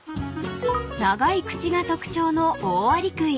［長い口が特徴のオオアリクイ］